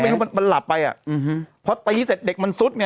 หรือมันหลับไปอ่ะอื้อฮือเพราะตีเสร็จเด็กมันซุดไง